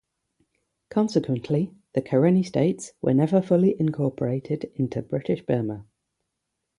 Consequently, the Karenni States were never fully incorporated into British Burma.